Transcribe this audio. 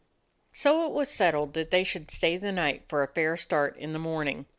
So it was settled that they should stay the night for a fair start in the morning.